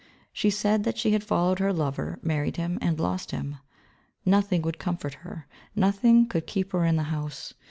She said that she had followed her lover, married him, and lost him. Nothing would comfort her, nothing could keep her in the house.